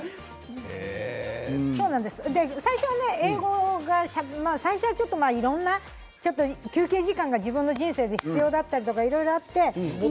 最初は英語が最初はちょっといろんな休憩時間が自分の人生で必要だったとかいろいろあって。